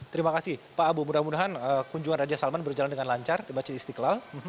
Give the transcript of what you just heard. terima kasih pak abu mudah mudahan kunjungan raja salman berjalan dengan lancar di masjid istiqlal